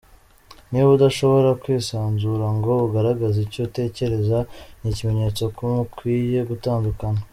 Niba udashobora kwisanzura ngo ugaragaze icyo utekereza, ni ikimenyetso ko mukwiye gutandukana.